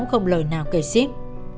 không lời nào kể xít